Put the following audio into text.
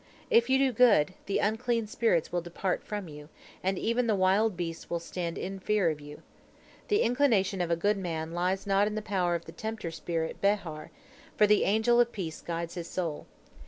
If you do good, the unclean spirits will depart from you, and even the wild beasts will stand in fear of you. The inclination of a good man lies not in the power of the tempter spirit Behar, for the angel of peace guides his soul.